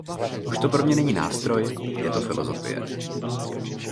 Už to pro mě není nástroj, je to filosofie.